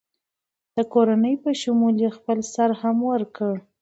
د کورنۍ په شمول یې خپل سر هم ورکړ.